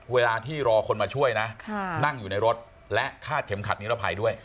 เวลาที่รอคนมาช่วยนะนั่งอยู่ในรถและคาดเข็มขัดนิรภัยด้วย